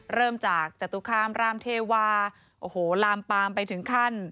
เริ่มจากจตุคามรามเทวาโอ้โหลามปามไปถึงขั้น